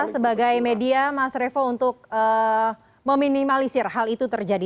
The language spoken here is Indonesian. sebagai media mas revo untuk meminimalisir hal itu terjadi